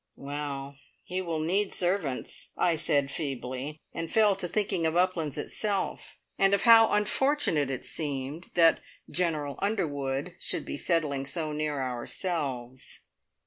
"Well, he will need servants," I said feebly, and fell to thinking of Uplands itself, and of how unfortunate it seemed that General Underwood should be settling so near ourselves.